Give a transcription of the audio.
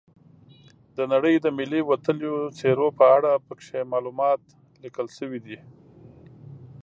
د نړۍ د ملي وتلیو څیرو په اړه پکې معلومات لیکل شوي دي.